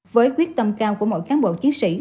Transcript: với quyết tâm cao của mỗi cán bộ chiến sĩ